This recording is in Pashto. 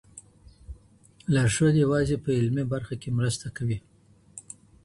لارښود یوازي په علمي برخه کي مرسته کوي.